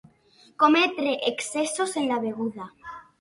Cometre excessos en la beguda.